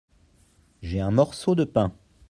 J’ai un morceau de pain.